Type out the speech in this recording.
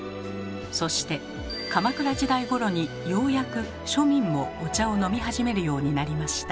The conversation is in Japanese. そして鎌倉時代ごろにようやく庶民もお茶を飲み始めるようになりました。